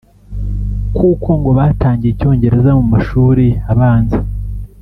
kuko ngo batangiye icyongereza mu mashuri abanza